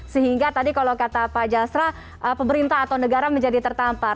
sehingga tadi kalau kata pak jasra pemerintah atau negara menjadi tertampar